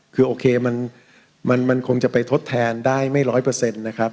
คือโอเคมันคงจะไปทดแทนได้ไม่ร้อยเปอร์เซ็นต์นะครับ